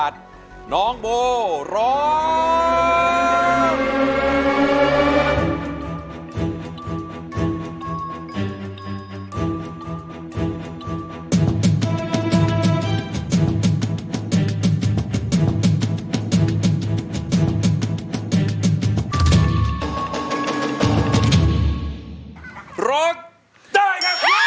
ร้องได้ร้องได้ร้องได้